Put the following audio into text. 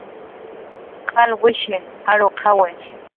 qalwishi jarwqawi